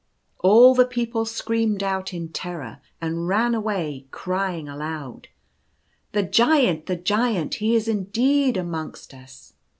All the people screamed out in terror, and ran away, crying aloud, " The Giant ! the Giant ! he is indeed amongst us